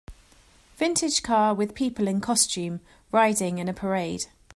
Vintage car with people in costume riding in a parade.